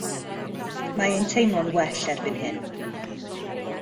Mae e'n teimlo'n well erbyn hyn.